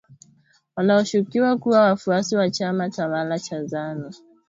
wanaoshukiwa kuwa wafuasi wa chama tawala cha zanu